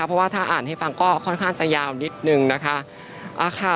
เพราะว่าถ้าอ่านให้ฟังก็ค่อนข้างจะยาวนิดนึงนะคะ